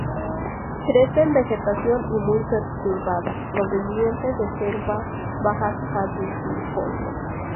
Crece en vegetación muy perturbada proveniente de selva baja caducifolia.